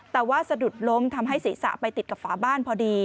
แต่ว่าสะดุดล้มทำให้ศีรษะไปติดกับฝาบ้านพอดี